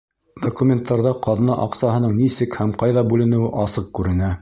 Документтарҙа ҡаҙна аҡсаһының нисек һәм ҡайҙа бүленеүе асыҡ күренә.